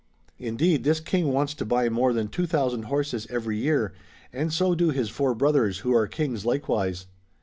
Indeed this King wants to buy more than 2000 horses every year, and so do his four brothers who are kings likewise.